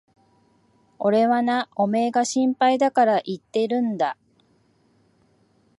俺はな、おめえが心配だから言ってるんだ。